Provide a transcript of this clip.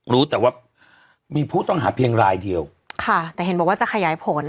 รู้แต่ว่ามีผู้ต้องหาเพียงรายเดียวค่ะแต่เห็นบอกว่าจะขยายผล